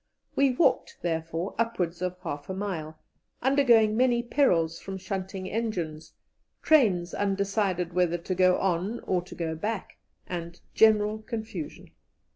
We walked, therefore, upwards of half a mile, undergoing many perils from shunting engines, trains undecided whether to go on or to go back, and general confusion.